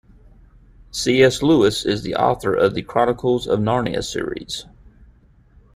C.S. Lewis is the author of The Chronicles of Narnia series.